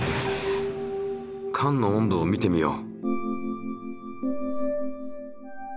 かんの温度を見てみよう。